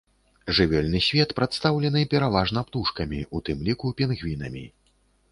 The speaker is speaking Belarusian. Жывёльны свет прадстаўлены пераважна птушкамі, у тым ліку пінгвінамі.